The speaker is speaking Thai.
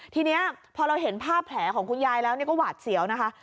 ทีนี้พอเราเห็นภาพแผลของคุณยายแล้วก็หวาดเสียวนะคะ